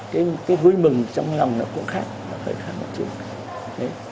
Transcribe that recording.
cái vui mừng trong lòng nó cũng khác nó hơi khác một chút